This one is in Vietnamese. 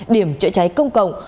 điểm cháy cháy công cộng